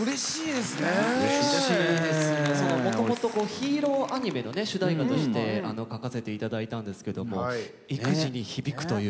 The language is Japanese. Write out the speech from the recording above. もともとヒーローアニメの主題歌として書かせていただいたんですけども育児に響くという。